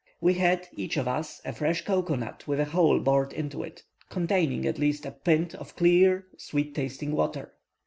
We had each of us a fresh cocoa nut with a hole bored in it, containing at least a pint of clear, sweet tasting water.